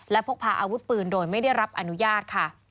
และพกพาอาวุธปืนโดยไม่ได้รับอนุญาตค่ะ